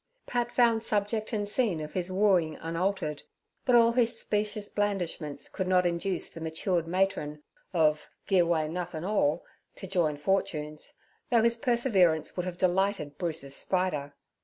Pat found subject and scene of his wooing unaltered, but all his specious blandishments could not induce the matured matron of 'Gi' Away Nothin' 'All' to join fortunes, though his perseverance would have delighted Bruce's spider.